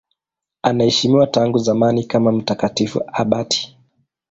Anaheshimiwa tangu zamani kama mtakatifu abati.